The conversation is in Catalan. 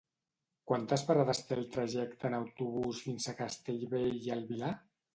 Quantes parades té el trajecte en autobús fins a Castellbell i el Vilar?